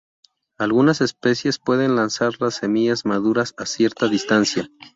Algunas especies pueden lanzar las semillas maduras a cierta distancia.